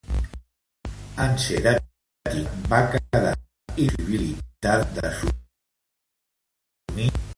En ser detinguda, va quedar impossibilitada d'assumir posteriorment.